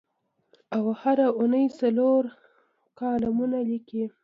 او هره اوونۍ څلور کالمونه لیکي.